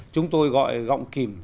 chúng tôi gọi gọng kìm